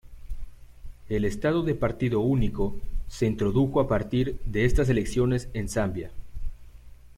El Estado de partido único se introdujo a partir de estas elecciones en Zambia.